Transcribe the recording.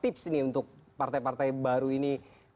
tips nih untuk partai partai baru ini